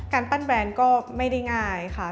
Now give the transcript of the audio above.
ปั้นแบรนด์ก็ไม่ได้ง่ายค่ะ